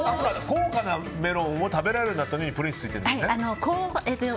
高価なメロンを食べられるのでプリンスついてるんですね。